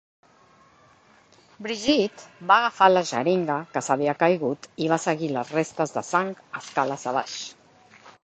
Brigitte va agafar la xeringa que s"havia caigut i va seguir les restes de sang escales abaix.